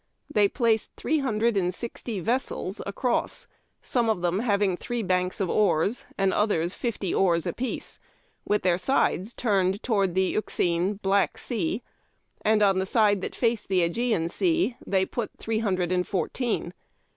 They placed three hundred and sixty vessels across, some of them having three banks of oars and others fifty oars apiece, with their sides turned towards the Euxine (Black) Sea ; and on the side that faced the ^gean Sea they put three hundred and fourteen.